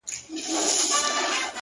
• چا زر رنگونه پر جهان وپاشل چيري ولاړئ،